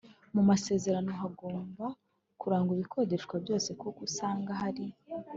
Mu masezerano hagomba kugaragazwa ibikodeshwa byose kuko usanga hari